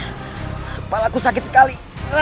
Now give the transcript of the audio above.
kepala ku sakit sekali